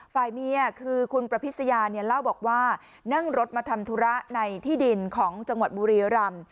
ฝ่ายเมียคือคุณประพิษยาเนี่ยเล่าบอกว่านั่งรถมาทำธุระในที่ดินของจังหวัดบุรีรำ